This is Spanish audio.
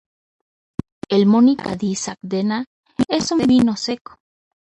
El Monica di Sardegna es un vino seco.